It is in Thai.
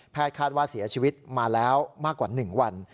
คาดว่าเสียชีวิตมาแล้วมากกว่า๑วัน